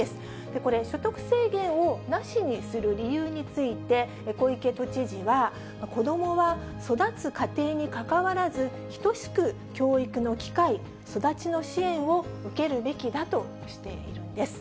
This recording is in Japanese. これ、所得制限をなしにする理由について、小池都知事は、子どもは育つ家庭にかかわらず、等しく教育の機会、育ちの支援を受けるべきだとしているんです。